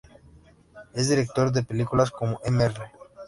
Es director de películas como "Mr.